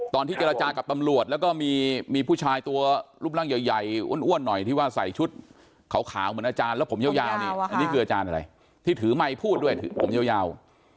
ตอนที่เจรจากับตำรวจแล้วก็มีผู้ชายตัวรูปร่างใหญ่อ้วนหน่อยที่ว่าใส่ชุดขาวเหมือนอาจารย์แล้วผมยาวนี่อันนี้คืออาจารย์อะไรที่ถือไมค์พูดด้วยผมยาว